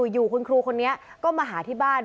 อยู่คุณครูคนนี้ก็มาหาที่บ้าน